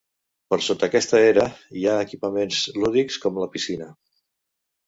Per sota aquesta era, hi ha equipaments lúdics com la piscina.